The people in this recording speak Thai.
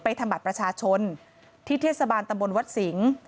ทำบัตรประชาชนที่เทศบาลตำบลวัดสิงศ์